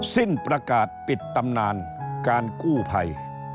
สิ้นประกาศปิดตำนานการกู้ภัย